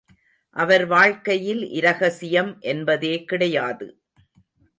அவர் வாழ்க்கையில் இரகசியம் என்பதே கிடையாது.